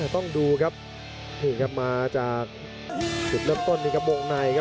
ต้องดูครับนี่ครับมาจากจุดเริ่มต้นนี่ครับวงในครับ